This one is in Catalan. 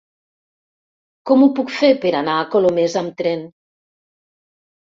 Com ho puc fer per anar a Colomers amb tren?